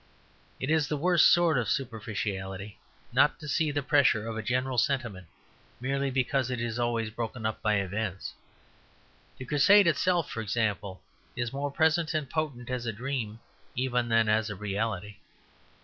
It is the worst sort of superficiality not to see the pressure of a general sentiment merely because it is always broken up by events; the Crusade itself, for example, is more present and potent as a dream even than as a reality.